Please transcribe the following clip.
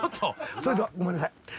それではごめんなさい。